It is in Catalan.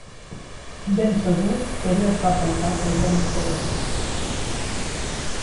Ben segur que ella es va pensar que jo m'ho creia.